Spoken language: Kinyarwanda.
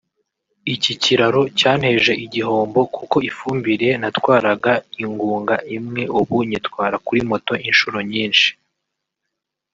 Iki kiraro cyanteje igihombo kuko ifumbire natwaraga ingunga imwe ubu nyitwara kuri moto inshuro nyinshi